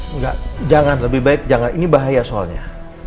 enggak jangan lebih baik jangan ini bahaya soalnya